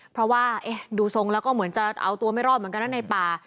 เพราะว่าดูทรงแล้วก็เหมือนจะเอาตัวไม่รอดเหมือนกันนะในป่า